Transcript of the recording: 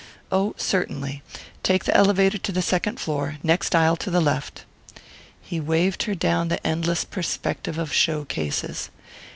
"Oh, certainly. Take the elevator to the second floor. Next aisle to the left." He waved her down the endless perspective of show cases.